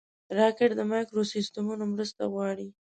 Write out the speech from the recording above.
راکټ د مایکروسیسټمونو مرسته غواړي